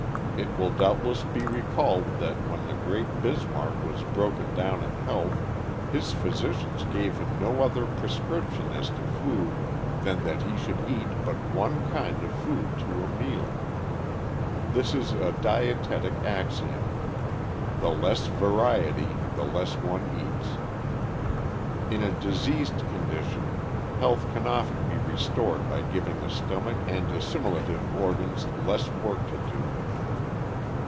It will doubtless be recalled that when the great Bismarck was broken down in health, his physicians gave him no other prescription as to food than that he should eat but one kind of food to a meal. This is a dietetic axiom: The less variety the less one eats. In a diseased condition health can often be restored by giving the stomach and assimilative organs less work to do.